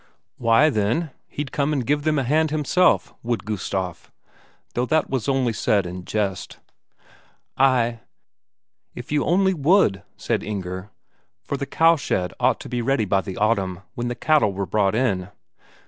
Why, then, he'd come and give them a hand himself, would Gustaf, though that was only said in jest. "Ay, if you only would," said Inger. For the cowshed ought to be ready by the autumn, when the cattle were brought in.